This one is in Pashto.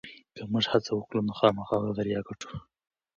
که موږ هڅه وکړو نو خامخا به بریا وګټو.